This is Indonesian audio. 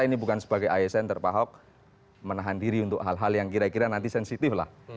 ini bukan sebagai asn terpahok menahan diri untuk hal hal yang kira kira nanti sensitif lah